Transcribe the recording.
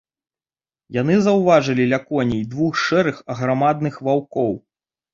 Яны заўважылі ля коней двух шэрых аграмадных ваўкоў.